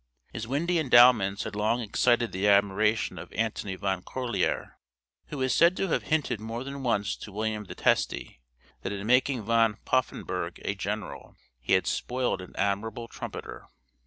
His windy endowments had long excited the admiration of Antony Van Corlear, who is said to have hinted more than once to William the Testy, that in making Van Poffenburgh a general, he had spoiled an admirable trumpeter.